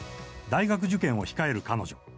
大学受験を控える彼女。